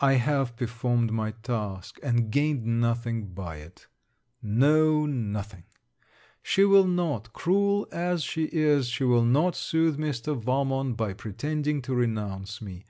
I have performed my task, and gained nothing by it. No nothing. She will not, cruel as she is, she will not soothe Mr. Valmont, by pretending to renounce me.